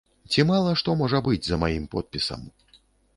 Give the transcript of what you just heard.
Ці мала што можа быць за маім подпісам.